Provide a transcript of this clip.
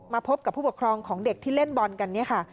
พบกับผู้ปกครองของเด็กที่เล่นบอลกันเนี่ยค่ะ